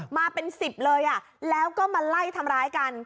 มาเป็น๑๐เลยแล้วก็มาไล่ทำร้ายกัน